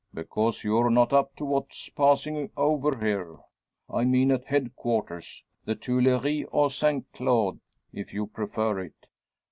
"Because you're not up to what's passing over here I mean at headquarters the Tuilleries, or St. Cloud, if you prefer it.